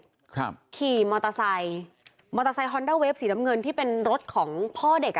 ครับขี่มอเตอร์ไซค์มอเตอร์ไซคอนด้าเวฟสีน้ำเงินที่เป็นรถของพ่อเด็กอ่ะ